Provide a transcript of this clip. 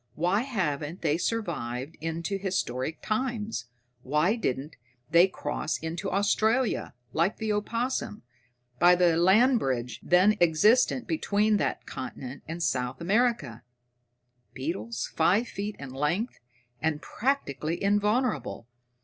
Why haven't they survived into historic times? Why didn't they cross into Australia, like the opossum, by the land bridge then existent between that continent and South America? Beetles five feet in length, and practically invulnerable!